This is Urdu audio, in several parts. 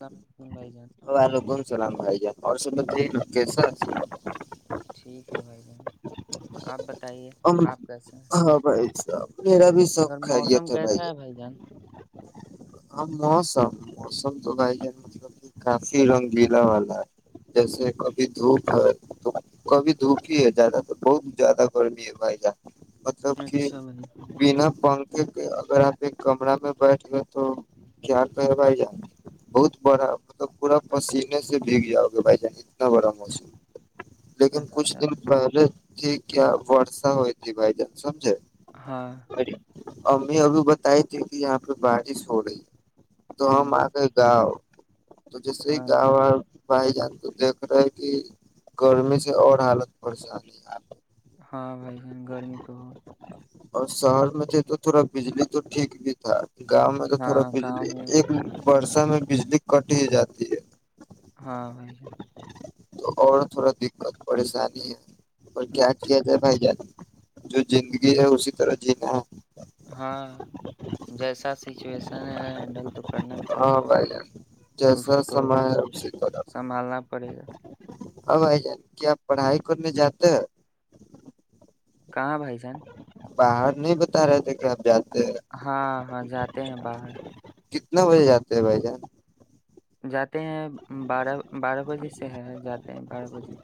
اللام علیکم بھائی جان وعلیکم سلام بھائی جان اور س مس ٹھیک ہے بھائی جان آپ بتائیے آپ کیسے ہیں ج [unintelligible] میرا بھی سوب ادھر خیریت موسم ہے بھائی کیسا جان ہاں موسم موسم تو بھائی جان مطلب کہ کافی رنگیلا والا ہے جیسے کبھی دھوپ ہے کبھی دھوپ ہی ہے زیادہ تو بہت زیادہ گرمی ہے بھائی جان مطلب کہ اچھا بھائی بنا پنکھ اگر آپ ایک کمرہ میں بیٹھ گئے تو کیا کہے بھائی جان بہت بڑا مطلب پورا پسینے سے بگ جاؤ گے بھائی جان اتنا بڑا موسم لیکن کچھ اچھا دن پہلے ٹھیک کیا ورسا ہوئی تھی بھائی جان سمجے ہاں امی ابھی بتائی تھی کہ یہاں پہ بارش ہو رہی ہے تو ہم ہوں آ ک گاؤ تو جیسے ہی ہاں گا بھائی بھائی جان تو دیکھ رہے ہے کہ گرمی سے اور حالت پریشانی ہے آپ ہاں بھائی جان گرمی تو ہو اور شہر میں تھے تو تھوڑا بجلی تو ٹھیک بھی تھا گاؤں میں تو تھوڑا ہاں گاؤں بجلی میں ایک برسہ میں بجلی کٹ ہی جاتی ہے ہاں بی گ تو اور تھوڑا دقت پریشانی ہے اور جان کیا اچھا آھی پائی جات جو زندگی ہے اسی را جی ہ ہاں جیسا سچویشن ہے ہینڈل تو کرنا پڑے گا ہاں بھائی جان اس جیسا کو تو سما ہے اسی سنبھالنا پڑے گا ا بائی جان کیاپ پڑھائی کرنے جاتے ہیں کہاں بھائی سان باہر نہیں بتا رہے تھے کہ آپ ج ہاں ہاں جاتے ہیں باہر کتنے بجے جاتے ہیں بھائی جان جاتے ہیں بارہ بارہ بجے سے ہے جاتے ہیں بار بجے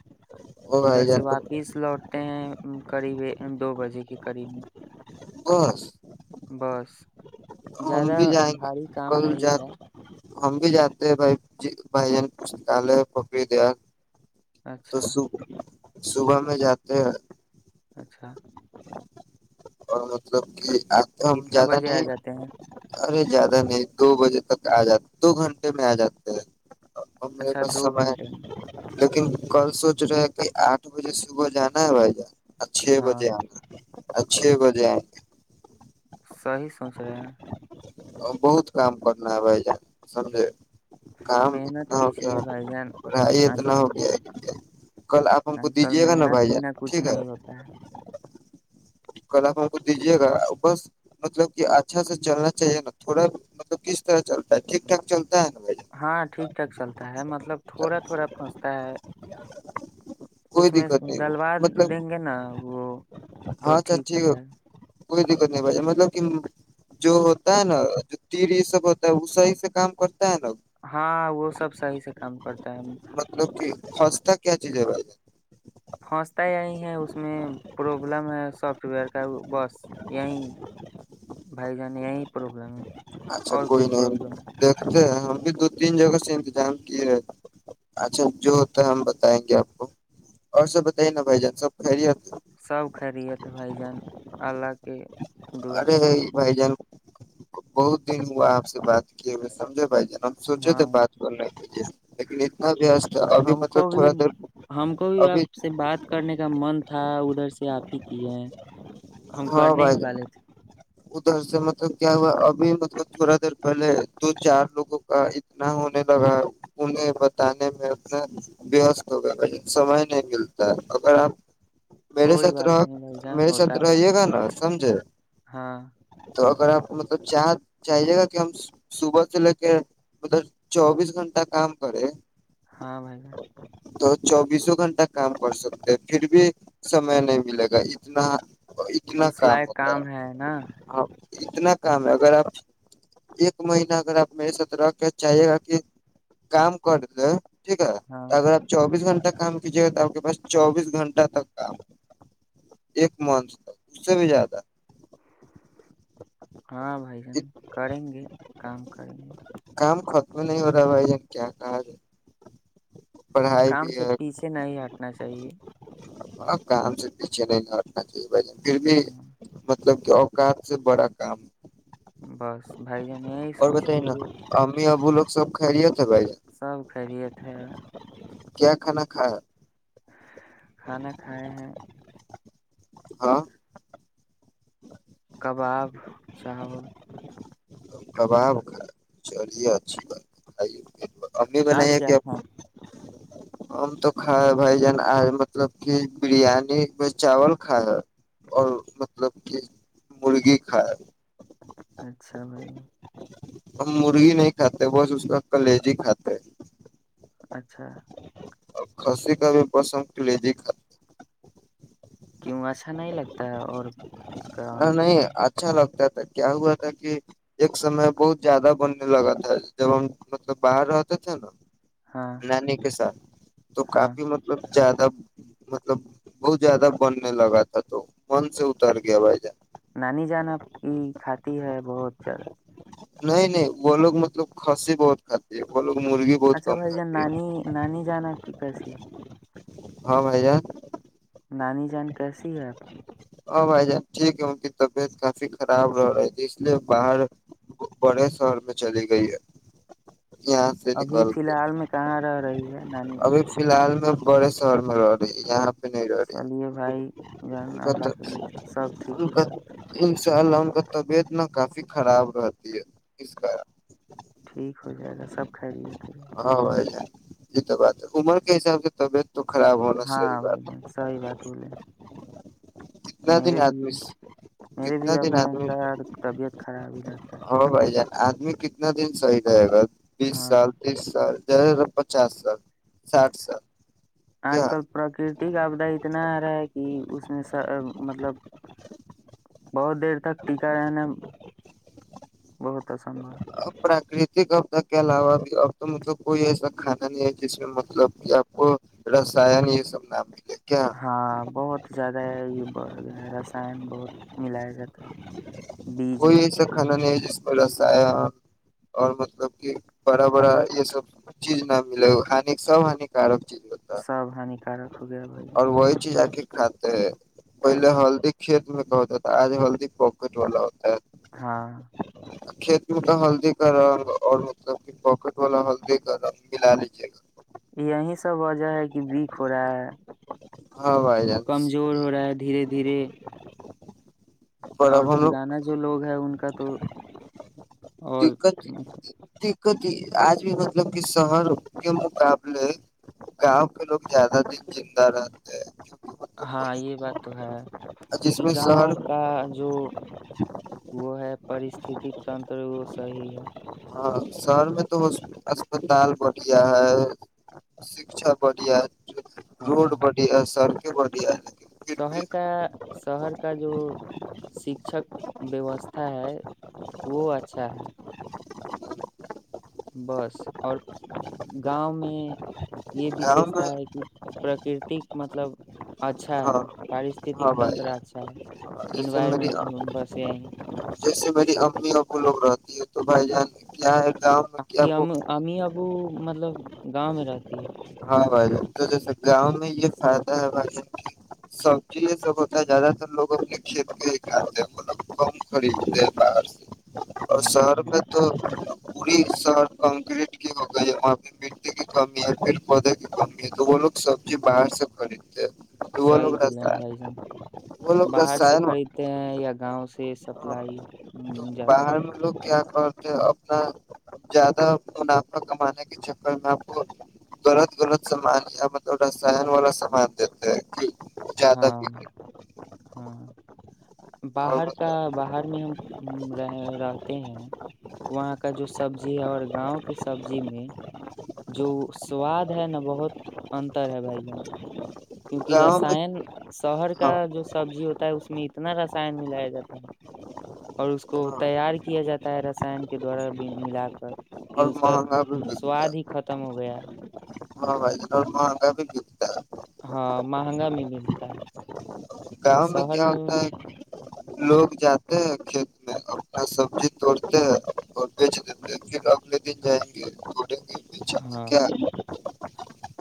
وہ ادھر بھائی سے جان تو واپس لوٹتے ہیں قریب دو بجے کے قریب میں ا [inaudible] بس زیادہ گے بھاری کام کل نہیں جا ہے ہم بھی جاتے ہیں بھائی بھائی جان پستکالے پوکری دیا تو اچھا سو [inaudible] صبح میں جاتے ہیں اچھا اوراں سبک [inaudible] اب تو ہم کتنا زیادہ بجے آ نہیں جاتے ہیں ارے زیادہ نہیں دو بجے تک آ جا [inaudible] دو گھنٹے میں آ جاتے ہیں اور وہ میر اچھا کا سے دو گھنٹے میں [inaudible] لیکن کل سوچ رہے ہیں کہ آٹھ بجے صبح جانا ہے بھائی جان چھ ہاں بجے آ کر اچھے بجائے [inaudible] صحیح سوچ رہے ہیں بہت کام کرنا ہے بھائی جان سمجے کام محنت اتنا ہو گیا کیجیے بھائی جان پڑھائی آج اتنا کل ہو گیا ہے کل آپ ہم کو آج کل دیجیے گا نا محنت بھائی جان بنا کچھ ٹھیک ہے نہیں ہوتا ہے کلپ ہم کو دیجیے گا بس مطلب کہ اچھا سے چلنا چاہیے نا تھوڑا مطلب کس طرح چلتا ہے ٹھیک ٹھاک چلتا ہے نا بھائی ہاں ٹھیک ٹک چلتا ہے مطلب جان تھوڑا تھوڑا پھنستا ہے کوئی اس میں دقت نہیں ڈلوار مطلب دیں گے نا وہ تو ٹھیک ہے س کوئی دقت نہیں ب مطلب کہ جو ہوتا ہے نا جو تیر یہ سب ہوتا ہے وہ صحیح سے کام کرتا ہے نا ہاں وہ سب صحیح سے کام کرتا ہے مطلب کہ فج تک کیا چیزیں ہے پھنستا یہی ہے اس میں پروبلم ہے سافٹ ویئر کا بس یہی بھائی جان یہی پروبلم ہے اچھا اور کوئی کچھ نہیں پرابلم ہے۔ دیکھتے ہیں ہم بھی دو تین جگہ سے انتظام کیےے اچھا جو ہوتا ہے ہم بتائیں گے آپ کو اور سب بتائیے نا بھائی جان سب خری سب خریت بھائی جان اللہ کے دعا ارے سے سب ٹھیک بائی جان بہت دن ہوا آپ سے بات کیے ہو سمجھے بھائی جان ہم سوچے ہاں تھے بات کرنے کیے لیکن اتنا وست ہے ابھی ہم مطلب کو بھی تھوڑا دیر ہم کو بھی ابھی آپ سے بات کرنے کا من تھا ادھر سے آپ ہی کیے ہم ہاں کرنے ہی بھائی والے تھے ادھر سے مطلب کیا ہوا ابھی مطلب تھوڑا دیر پہلے دو چار لوگوں کا اتنا ہونے لگا انہیں بتانے میں انا وست ہو گیا ل سمے نہیں ملتا اگر آپ مڑے کوئی ستر بات نہیں بھائی جان مڑے ہوتا ستر ہے یہے گ نا سمجے ہاں تو اگر آپ کو مطلب چاہ چاہیے گا کہ ہم صبح سے لے کے مطلب چوبیس گھنٹہ کام کریں ہاں بھائی بائی تو چوبیسوں گھنٹہ کام کر سکتے ہیں پھر بھی سمے نہیں ملے گا اتنا اتنا کام ہوتا ہے ن اتنا کام ہے اگر آپ ایک مہینہ اگر آپ م ایسا ر کے چاہیے گا کہ کام کر دیں ٹھیک ہے ہاں اگر آپ چوبیس گھنٹے کام کیجیے گا تو آپ کے پاس چوبیس گھنٹہ تک کام ایک منتھ تک اس سے بھی زیادہ ہاں بھائی جان کریں گے کام کریں گے کام ختم نہیں ہو رہا بھائی جن کیا کہا ج کام سے پیچھے نہیں ہٹنا چاہیے اور کم سے دیچے نہیں ب پھر بھی ہاں، مطلب اوقات سے بڑا کام بس بھائی جان یہی سوچ لیجیے ا وہ لو سب خھریےت بائی سب خری تھ ہیں کیا کھانا کھا کھانا کھائے ہیں ہاں کباب چاول کباب چلی ا بائی امی بنائی آپ ہے کیا کہ کھائیں ہم تو کھا بھائی جان آ مطلب کہ بریانی میں چاول کھا ہے اور مطلب کہ مرغی کائے اچھا بھائی جان، ہم مرغی نہیں کھاتے بس اس کا کلیجی کھاتے ہے اچھا کسی کا بھی پسند کے لیے د کیوں اچھا نہیں لگتا ہے اور اس کا نہیں اچھا لگتا کیا ہوا تھا کہ ایک سمے بہت زیادہ بننے لگا تھا جب ہم مطلب باہر رہتے تھے نا ہاں اچھا تو ہاں کافی مطلب زیادہ مطلب بہت زیادہ بننے لگا تھا تو من سے اتر گیا بھائی جان نانی جان آپ کی کھاتی ہے بہت زیادہ نہیں نہیں وہ لوگ مطلب خسی بہت کاتے ہے وہ لوگ مرغی بہت اچھا کم بھائی جان کھاتی ہے نانی نانی جان پ کیسی ہاں بھ جیا نانی جان کیسی ہے اب ہاں بھائی جان ٹھیک ہے ان کی طبیعت کافی خراب رہ رہی تھی اس لیے باہر بڑے شہر میں چلی گئی ہے یہاں سے ابھی نکل فی کے الحال میں کہاں رہ رہی ہے نانی ج ابھی نب فی الحال میں بڑے شہر میں رہا رہ ہے یہاں چلیے پوڑ بھائی جان اللہ کے بول سب ٹھیک ان ہو کا جائے گا س انشاء ان کا طبیعت ن کافی خراب رہتی ہے اس کاار ٹھیک ہو جائے گا سب کھ رہی ہے تے جی تو بات ہے عمر کے حساب سے طبیعت تو خراب ہونا گا صحیح ہاں بات بھائی جان صحیح بات ہے بولے کتنا دن میرے آدمی بھی میرے کتنا بھی دن ابو جان آدمی کا طبیعت خراب ہی رہتا ہاں بھائی جان آدمی کتنا دن صحیح رہے گا ہے بیس ہاں سال تیس سال زیادہ سے پچاس سال ساٹھ سال اج کیا کل پرکر تیک اپ دا اتنا ا رہا ہے کہ اس میں س مطلب بہت دیر تک ٹیکا رہنا بہت اسمبھو ہے اب پراکرتک آدہ کے علاوہ بھی اب تو مطلب کوئی ایسا کھانا نہیں ہے جس میں مطلب کہ آپ کو رسیاں یہ سب نا ملے کیا ہاں بہت زیادہ ہے یہ بڑھ گیا رسائن بہت ملایا جاتا ہے بیج کوئی میں ایسا کھانا نہیں ہے جس میں اور مطلب کی بڑا بڑا یہ سب چیز نہ ملے ہ سب ہانیکارک چیز ہوتا سب ہنی کارک ہوتا ہے بھائی جان کیا کی کھاتے ہیں پہلے تب ہلدی کھیت میں کا ہوتا تھا آج ہلدی پواکٹ والا ہوتا ہے ہاں کھیت میں کا ہلدی کا رنگ اور مطلب کہ پاکٹ والا ہلدی کا رنگ ملا لیجے گا یہیں سے یا وجہ ہے کہ ویک ہو رہا ہاں بھائی ہے جان کمزور ہو رہا ہے دھیرے دھیرے پر اور اب ہم لوگ پرانا جو لوگ ہے ان کا تو اور ک آج بھی مطلب کہ شہر کے مقابلے گاؤں کے لوگ زیادہ دن زندہ رہتے ہیں ہاں مطلب یہ بات تو ہے جس کیونکہ میں شہر گاؤں کا جو وہ ہے پرستھک تنتر وہ صحی ہے ہاں شہر میں تو اسپتال بڑھیا ہے شکچھا بڑھیا ہے روڈ ہاں بڑھیا سر بڑھیا ہے پھر بھی شہر کا شہر کا جو شکشک ویوستھا ہے وہ اچھا ہے [inaudible] بس اور گاؤں میں یہ گاؤں وشیشتا میں ہے کہ پراکرتک مطلب اچھا ہاں ہے پارستتک تنتر اچھا ہے جیسم مری انوائرمنٹ آ بس یہی جیسے میری امی ابو لوگ رہتی ہے تو بھائی جان کیا ہے گاؤں میں آ کیا کو ہم ہمیں ابو مطلب گاؤں میں رہتی ہے ہاں بھائی ج تو جیسے گاؤں میں یہ فائدہ ہے بھائی سب چیز سب ہوتا ہے زیادہ تر لوگ اپنے کھیت کے ہی آاتتے ہیں مطلب کم خریدتے ہیں باہر سے اور ہاں شہر ہاں، میں تو پوری شر کنکریٹ کی ہو گئی ہے وہاں پہ مٹی کی کمی ہے پھر پودے کی کم ہے تو وہ لو سبزی باہر سے خریے صحی بولے ہیں بھائی جان وہ لوگ باہر سے رسائن خریدتے ہیں یا گاؤں سے سپلائی جاتا ہے اور پ اپنا زیادہ منافع کمانے کے چکر میں آپ کو غلط غلط سامان مطلب رسائن والا سامان دیتے ہیں زیادہ ہاں بکے ہاں اور باہر کا مطلب باہر میں ہم رہ رہتے ہیں وہاں کا جو سبزی ہے اور گاؤں کی سبزی میں جو سواد ہے نا بہت انتر ہے بھائی جان کیونکہ گاؤں میں رسان شہر کا ہاں جو سبزی ہوتا ہے اس میں اتنا رس سائن ملایا جاتا ہے اور اس کو ہاں تیار کیا جاتا ہے رسائن کے دوارا ملا کر کہ اور اس کا مہنگا بھی بکتا سواد ہی ہے، ختم ہو گیا ہے ہاں بھ م گا بھیتا ہاں مہنگا بھی ملتا ہے گاؤں میں کیا ہوتا ہے لوگ جاتے ہیں کھیت میں اپنا سبزی توڑتے ہیں اور بیچ دیتے پھر اگلے دن جائیں گے گے بیچیں گے ہاں کیا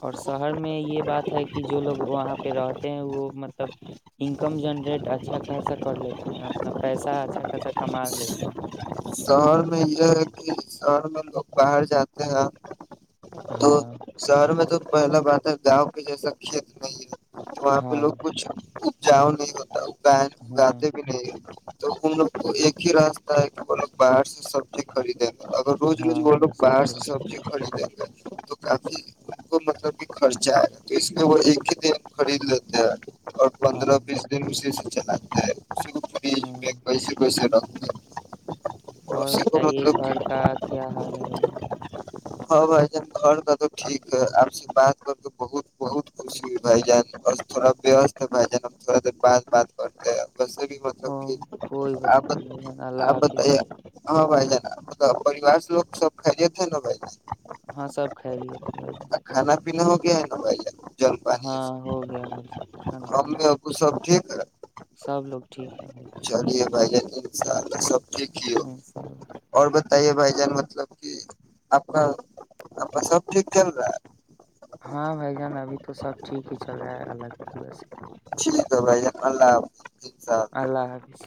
اور شہر میں یہ بات کہ جو لوگ وہاں پہ رہتے ہیں وہ مطلب انکم جنریٹ اچھا خاصا کر لیتے ہیں اپنا پیسہ اچھا خاصا کما لیتے ہیں شہر میں یہ ہے کہ شہر میں لوگ باہر جاتے ہیں تو ہاں شہر میں تو پہلا بات ہے گاؤں کے جیسا کھیتر نہیں ہے وہاں پہ ہاں لوگ کچھ جاؤ نہیں بتاؤ ب ہاں بتے بھی نہیں تو ہم لوگ کو ایک ہی راستہ ہے کہ وہ لوگ باہر سے سبزی خرید اگر روز روز وہ ہاں لگ بس باہر ایک ہی سے راستہ۔ سبزی خریدیں [inaudible] کافی ان کو مطلب کہ خرچہ ہے تو اس میں وہ ایک ہی دن خرید لیتے ہیں اور ہاں پندرہ بیس دن چلتا ہے ہاں پسے پیسے لا اور بتائیے مطلب کہ گھر کا کیا حال ہے بھائی جانب ہاں بائی ج گ ا تو ٹھیک ہے آپ سے بات کر کے بہت بہت خوشی ہو بائی جان اور تھوڑا وست ہے بھائی جان اب تھوڑا دیر بات بات کرتے ہیں بس بھی ہ متب کی کوئی آ بات نہیں بھائی جان آ اللہ بت حافظ ہاں بائی جانا پریوار لوگ سب خاے تھا نا بائی جانا بی پنا ہو گیا ہے نا ہاں ہو گیا بس ہم اب سب ٹھ ہ [inaudible] سب لوگ ٹھیک ہے بھائی چلیے بھ سال سب د ان شاء اللہ اور بتا تے بھائی جان مطلب کہ آپ کا آپ کا سب ٹھیک چل رہا ہے ہاں بھائی جان ابھی تو سب ٹھیک ہی چل رہا ہے اللہ کے دورا سے الدا [unintelligible] [inaudible] اللہ حافظ